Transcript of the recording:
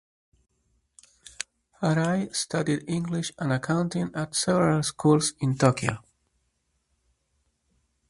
Arai studied English and accounting at several schools in Tokyo.